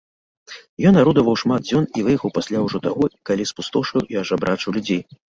Ён арудаваў шмат дзён і выехаў пасля ўжо таго, калі спустошыў і ажабрачыў людзей.